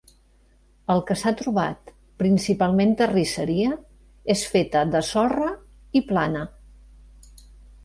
El que s'ha trobat, principalment terrisseria, és feta de sorra i plana.